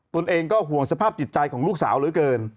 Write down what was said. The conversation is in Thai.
ตัวเองก็ห่วงสภาพจิตใจของลูกสาวเหลือเกิน